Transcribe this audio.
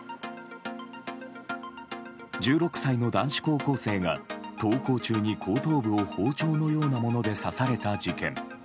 １６歳の男子高校生が登校中に後頭部を包丁のようなもので刺された事件。